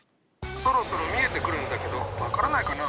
そろそろ見えてくるんだけど分からないかな？